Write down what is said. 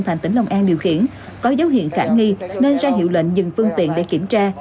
thành tỉnh long an điều khiển có dấu hiệu khả nghi nên ra hiệu lệnh dừng phương tiện để kiểm tra